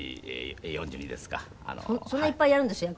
そんないっぱいあるんですか？